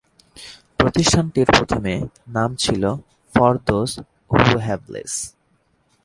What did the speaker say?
প্রতিষ্ঠানটির প্রথমে নাম ছিলো ‘for those who have less’.